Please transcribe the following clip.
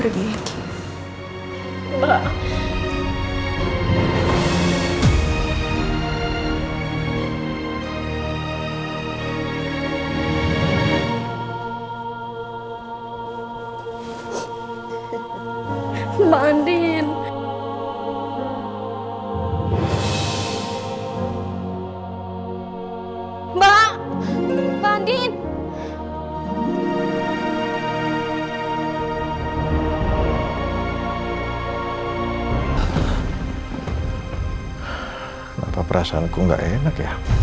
kenapa perasaanku gak enak